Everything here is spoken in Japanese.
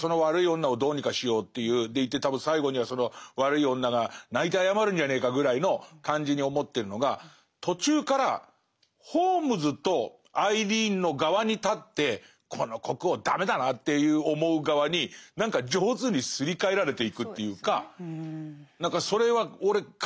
でいて多分最後にはその悪い女が泣いて謝るんじゃねえかぐらいの感じに思ってるのが途中からホームズとアイリーンの側に立ってこの国王駄目だなって思う側に何か上手にすり替えられていくというか何かそれは俺快感だと思うんですよ。